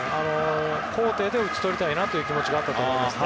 高低で打ち取りたい気持ちがあったと思います。